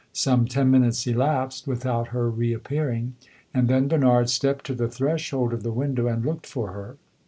Some ten minutes elapsed without her re appearing, and then Bernard stepped to the threshold of the window and looked for her.